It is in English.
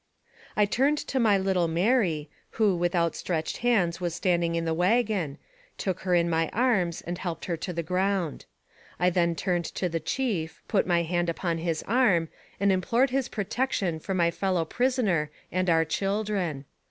I turned to my little Mary, who, with outstretched hands, was standing in the wagon, took her in my arms and helped her to the ground. I then turned to the chief, put my hand upon his arm, and implored his protection for my fellow prisoner and our children.